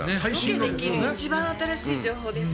ロケで行ける一番新しい情報です。